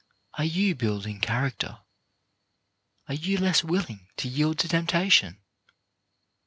Are you build ing character? Are you less willing to yield to temptation?